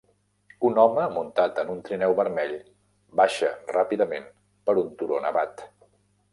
Un home muntat en un trineu vermell baixa ràpidament per un turó nevat